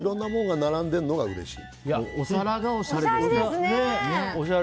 ちょっとずついろんなものが並んでるのがうれしい。